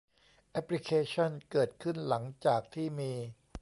แอปพลิเคชั่นเกิดขึ้นหลังจากที่มี